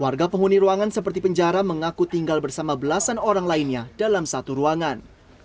warga penghuni ruangan seperti penjara mengaku tinggal bersama belasan orang lainnya dalam satu ruangan